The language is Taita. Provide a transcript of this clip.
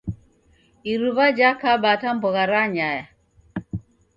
Iruw'a jakaba ata mbogha ranyaya.